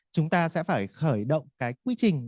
chúng ta sẽ phải khởi động cái quy trình